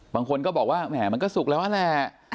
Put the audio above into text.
บางคนก็บอกว่าแหมมันก็สุกแล้วนั่นแหละ